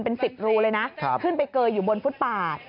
เป็น๑๐รูเลยนะขึ้นไปเกยอยู่บนฟุตปาด